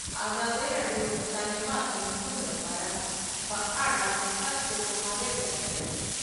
ازادي راډیو د تعلیمات د نجونو لپاره په اړه د خلکو پوهاوی زیات کړی.